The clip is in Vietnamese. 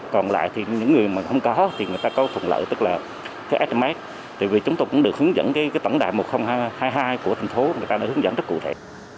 còn lại thì những người mà không có thì người ta có thuận lợi tức là sms vì chúng tôi cũng được hướng dẫn tổng đại một nghìn hai mươi hai của thành phố người ta được hướng dẫn rất cụ thể